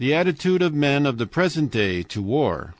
ATTITUDE OF MEN OF THE PRESENT DAY TO WAR.